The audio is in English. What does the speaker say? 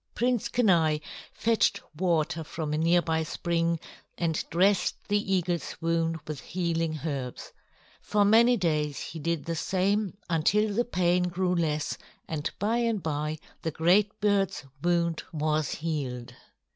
Prince Kenai fetched water from a near by spring and dressed the eagle's wound with healing herbs. For many days he did the same until the pain grew less, and by and by the great bird's wound was healed.